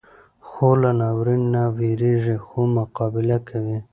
خور له ناورین نه وېریږي، خو مقابله کوي.